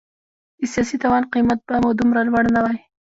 د سیاسي تاوان قیمت به مو دومره لوړ نه وای.